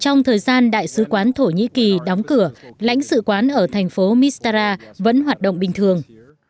trong thời gian đại sứ quán thổ nhĩ kỳ đóng cửa lãnh sự quán ở thành phố mistara vẫn hoạt động bình thường